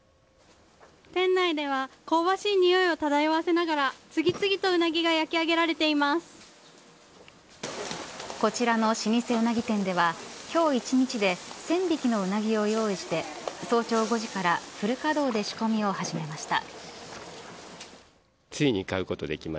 店内では香ばしいにおいを漂わせながら次々とウナギがこちらの老舗ウナギ店では今日一日で１０００匹のウナギを用意して早朝５時からフル稼働で仕込みを始めました。